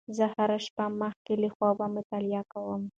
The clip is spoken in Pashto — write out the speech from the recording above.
زه هره شپه مخکې له خوبه مطالعه کوم.